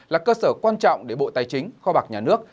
là cơ sở quan trọng để bộ tài chính kho bạc nhà nước